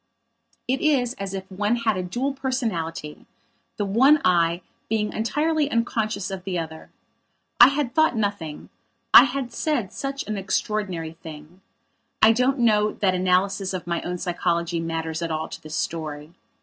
It is as if one had a dual personality, the one I being entirely unconscious of the other. I had thought nothing; I had said such an extraordinary thing. I don't know that analysis of my own psychology matters at all to this story.